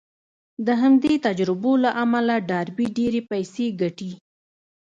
د همدې تجربو له امله ډاربي ډېرې پيسې ګټي.